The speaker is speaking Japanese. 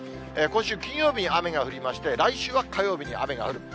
今週金曜日に雨が降りまして、来週火曜日に雨が降る。